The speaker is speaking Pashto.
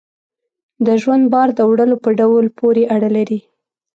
د ژوند بار د وړلو په ډول پورې اړه لري.